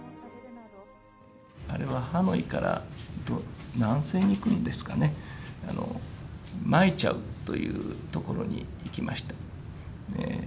あれはハノイから南西に行くんですかね、マイチャウという所に行きました。